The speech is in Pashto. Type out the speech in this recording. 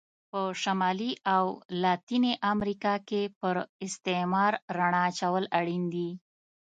په شمالي او لاتینې امریکا کې پر استعمار رڼا اچول اړین دي.